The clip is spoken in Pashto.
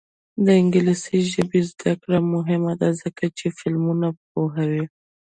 د انګلیسي ژبې زده کړه مهمه ده ځکه چې فلمونه پوهوي.